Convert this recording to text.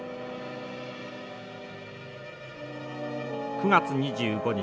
９月２５日